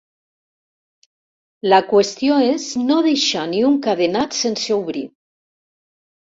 La qüestió és no deixar ni un cadenat sense obrir.